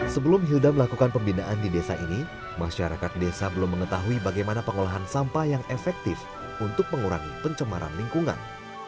sebelum hilda melakukan pembinaan di desa ini masyarakat desa belum mengetahui bagaimana pengolahan sampah yang efektif untuk mengurangi pencemaran lingkungan